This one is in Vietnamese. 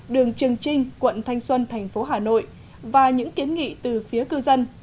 đường trường trinh quận thanh xuân thành phố hà nội và những kiến nghị từ phía cư dân